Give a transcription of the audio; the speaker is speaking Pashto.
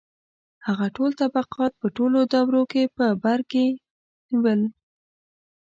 • هغه ټول طبقات په ټولو دورو کې په بر کې نیول.